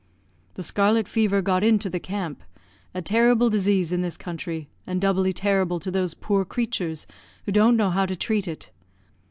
The scarlet fever got into the camp a terrible disease in this country, and doubly terrible to those poor creatures who don't know how to treat it.